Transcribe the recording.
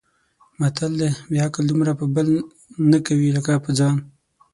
متل دی: بې عقل دومره په بل نه کوي لکه په ځان.